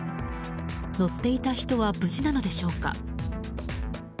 乗っていた人は無事なのでしょうか。